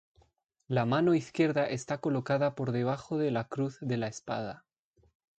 La mano izquierda está colocada por debajo de la cruz de la espada.